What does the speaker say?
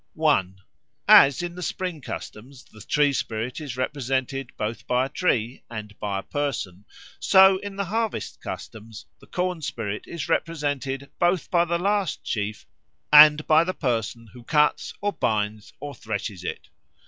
(1) As in the spring customs the tree spirit is represented both by a tree and by a person, so in the harvest customs the corn spirit is represented both by the last sheaf and by the person who cuts or binds or threshes it.